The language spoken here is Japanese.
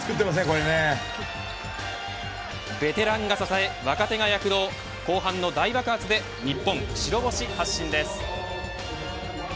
ベテランが支え、若手が躍動後半の大爆発で日本白星発進です。